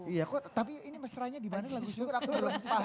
iya kok tapi ini mesra nya dimana lagu syukur aku belum paham bu